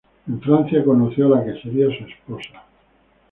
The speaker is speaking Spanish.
En Francia conoció a la que sería su esposa.